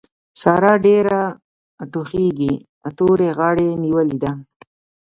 سارا ډېره ټوخېږي؛ تورې غاړې نيولې ده.